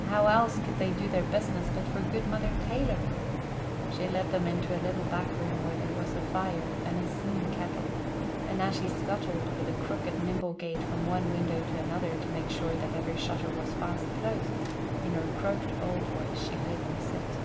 How else could they do their business but for good Mother Taylor?" She led them into a little back room where there was a fire and a singing kettle; and as she scuttled with a crooked, nimble gait from one window to another to make sure that every shutter was fast closed, in her cracked old voice she bade them sit.